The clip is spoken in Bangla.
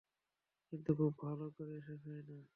কিন্তু, খুব ভালো করে শেখায় না।